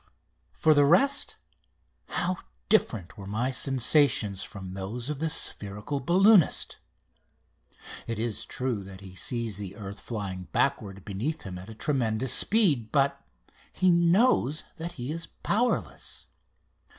For the rest, how different were my sensations from those of the spherical balloonist! It is true that he sees the earth flying backward beneath him at tremendous speed. But he knows that he is powerless.